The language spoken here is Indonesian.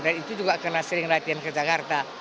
dan itu juga kena sering latihan ke jakarta